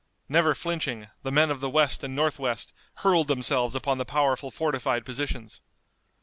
Never flinching, the men of the west and northwest hurled themselves upon the powerful fortified positions.